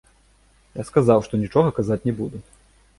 Я сказаў, што нічога казаць не буду.